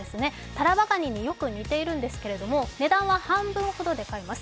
タラバガニによく似ているんですけれども、値段は半分ほどで買えます。